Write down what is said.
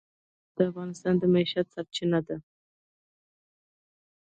سیلانی ځایونه د افغانانو د معیشت سرچینه ده.